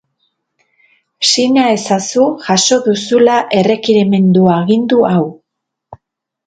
Sina ezazu jaso duzula errekerimenduagindu hau.